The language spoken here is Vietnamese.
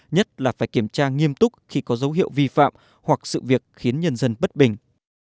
nhất là phải kiểm tra nghiêm túc khi có dấu hiệu vi phạm hoặc sự việc khiến nhân dân bất bình